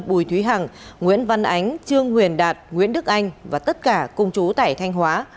bùi thúy hằng nguyễn văn ánh trương huyền đạt nguyễn đức anh và tất cả cùng chú tại thanh hóa